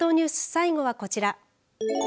最後はこちら。